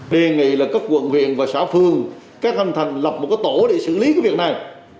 đề nghị là các quận huyện và xã phương các thanh thành lập một tổ để xử lý việc này